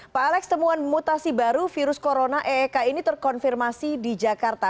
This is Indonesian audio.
pak alex temuan mutasi baru virus corona eek ini terkonfirmasi di jakarta